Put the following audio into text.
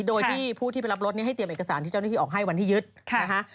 โดยที่ผู้ที่ไปรับรถให้เตรียมเอกสารที่เจ้าหน้าที่ออกให้วันที่ยึดนะคะ